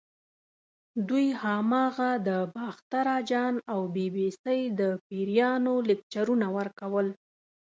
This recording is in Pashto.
دوی هماغه د باختر اجان او بي بي سۍ د پیریانو لیکچرونه ورکول.